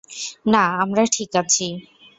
না, আমরা ঠিক আছি।